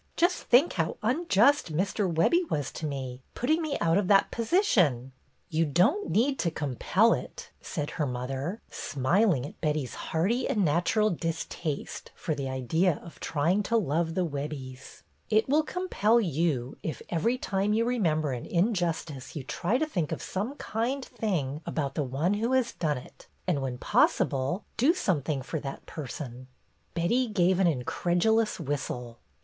Just think how unjust Mr. Webbie was to me, putting me out of that position 1" "You don't need to 'compel' it," said her mother, smiling at Betty's hearty and natural distaste for the idea of trying to love the Webbies I " It will compel you, if every time you remember an injustice you try to think of some kind thing about the one who has done it, and, when possible, do something for that person." Betty gave an incredulous whistle.